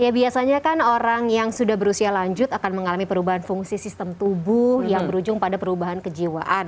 ya biasanya kan orang yang sudah berusia lanjut akan mengalami perubahan fungsi sistem tubuh yang berujung pada perubahan kejiwaan